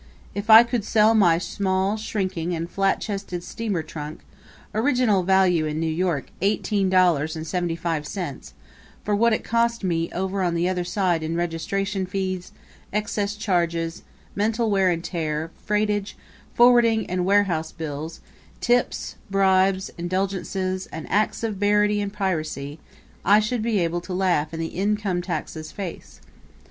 If I could sell my small, shrinking and flat chested steamer trunk original value in New York eighteen dollars and seventy five cents for what it cost me over on the other side in registration fees, excess charges, mental wear and tear, freightage, forwarding and warehousing bills, tips, bribes, indulgences, and acts of barratry and piracy, I should be able to laugh in the income tax's face.